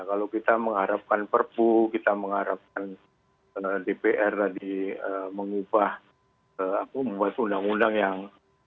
kalau kita mengharapkan perpu kita mengharapkan dpr tadi mengubah membuat undang undang yang